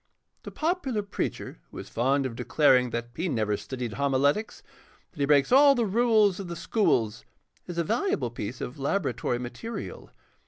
The popular preacher who is fond of declaring that he never studied homiletics and that he breaks all the rules of the schools is a valuable piece of laboratory material.